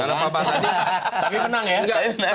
tapi menang ya